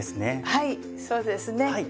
はいそうですね。